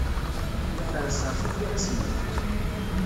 La ferrseɣ tifiras-nni.